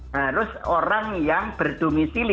harus orang yang berdomisili